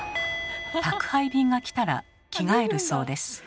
宅配便が来たら着替えるそうです。